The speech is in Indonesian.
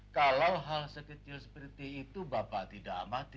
kalau hal sekecil seperti itu bapak tidak amati